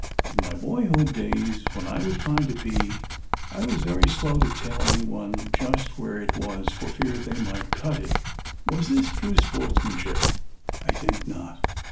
In my boyhood days, when I would find a bee, I was very slow to tell any one just where it was for fear they might cut it. Was this true sportsmanship? I think not.